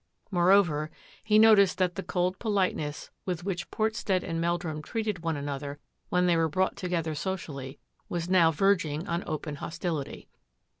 Mc he noticed that the cold politeness witl: Portstead and Meldrum treated one anothi they were brought together socially was no ing on open hostility.